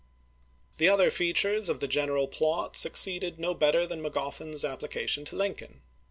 The other features of the general plot succeeded no better than Magoffin's application to Lincoln.